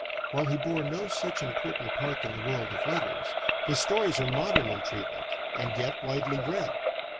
While he bore no such important part in the world of letters, his stories are modern in treatment, and yet widely read.